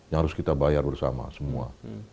yang harus kita bayar bersama semua